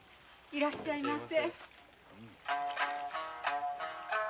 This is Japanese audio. いらっしゃいませ。